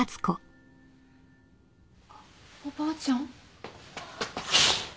あっおばあちゃん？